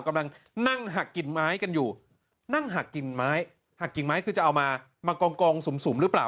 กำลังนั่งหักกลิ่นไม้กันอยู่นั่งหักกลิ่นไม้หักกิ่งไม้คือจะเอามากองสุ่มหรือเปล่า